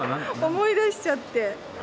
思い出しちゃって。